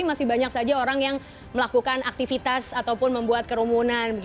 masih banyak saja orang yang melakukan aktivitas ataupun membuat kerumunan